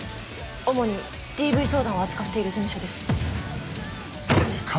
主にＤＶ相談を扱っている事務所です。